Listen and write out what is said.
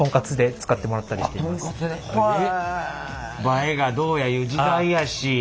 映えがどうやいう時代やし。